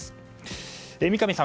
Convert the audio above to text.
三上さん